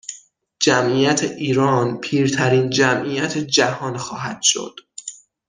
جمعیت ایران پیرترین جمعیت جهان خواهد شد